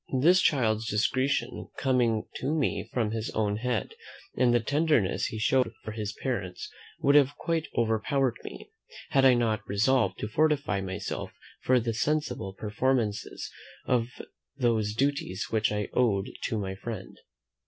The child's discretion in coming to me of his own head, and the tenderness he showed for his parents would have quite overpowered me, had I not resolved to fortify myself for the seasonable performances of those duties which I owed to my friend.